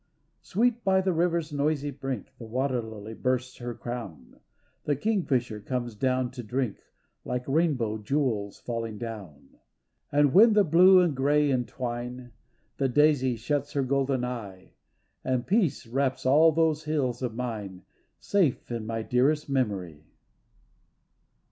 269 270 SPRING Sweet by the river's noisy brink The water lily bursts her crown, The kingfisher comes down to drink Like rainbow jewels falling down. And when the blue and grey entwine The daisy shuts her golden eye, And peace wraps all those hills of mine Safe in my dearest memory.